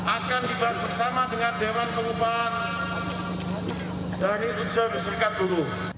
akan dibahas bersama dengan dewan pengupahan dari unsur serikat buruh